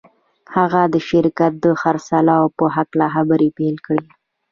هغه د شرکت د خرڅلاو په هکله خبرې پیل کړې